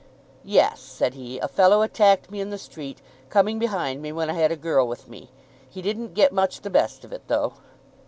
"Yes," said he; "a fellow attacked me in the street, coming behind me when I had a girl with me. He didn't get much the best of it though."